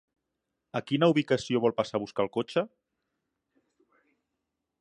A quina ubicació vol passar a buscar el cotxe?